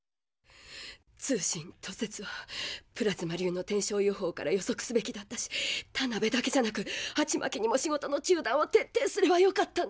通信途絶はプラズマ流の天象予報から予測すべきだったしタナベだけじゃなくハチマキにも仕事の中断を徹底すればよかったんだ。